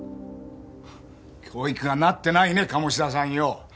教育がなってないね鴨志田さんよ。